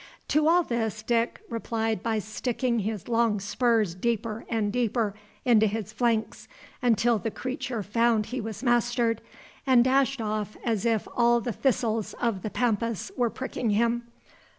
To all this Dick replied by sticking his long spurs deeper and deeper into his flanks, until the creature found he was mastered, and dashed off as if all the thistles of the Pampas were pricking him.